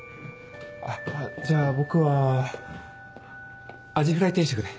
じゃあ僕はアジフライ定食で。